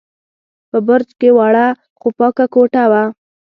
په برج کې وړه، خو پاکه کوټه وه.